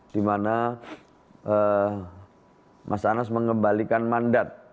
dimana mas anas mengembalikan mandat